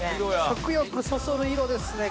食欲そそる色ですね